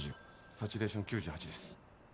サチュレーション９８です。